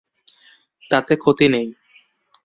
তাতে ক্ষতি নেই।